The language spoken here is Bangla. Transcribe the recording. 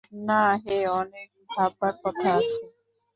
না হে, অনেক ভাববার কথা আছে।